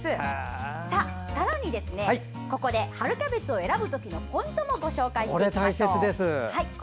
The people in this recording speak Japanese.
さらに、ここで春キャベツを選ぶ時のポイントもご紹介します。